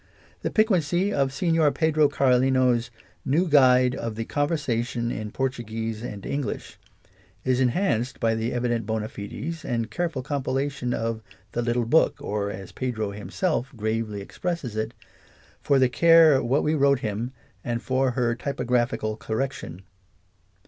The piquancy of Senhor Pedro Carolino's New Guide of the Conversation in Portuguese and Eng lish is enhanced by the evident bona fides and careful compilation of " the little book/* or as Pedro himself gravely expresses it, "for the care what we wrote him, and for her typo graphical correction."